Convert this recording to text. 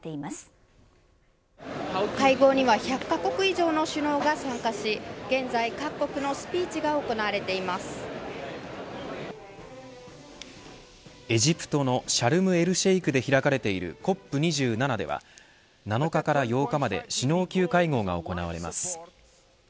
ＣＯＰ２７の首脳級会合が会合には１００カ国以上の首脳が参加し現在、各国のスピーチがエジプトのシャルムエルシェイクで開かれているＣＯＰ２７では７日から８日まで首脳級会合が行われます。